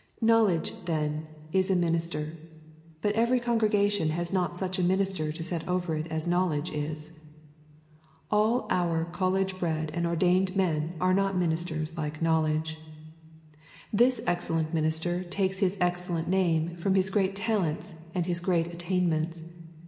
Knowledge, then, is a minister; but every congregation has not such a minister set over it as Knowledge is. All our college bred and ordained men are not ministers like Knowledge. This excellent minister takes his excellent name from his great talents and his great attainments.